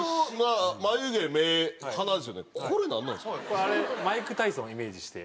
これあれマイク・タイソンをイメージして。